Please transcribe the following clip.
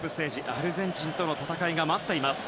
アルゼンチンとの戦いが待っています。